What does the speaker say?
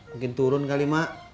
mungkin turun kali mak